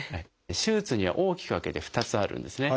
手術には大きく分けて２つあるんですね。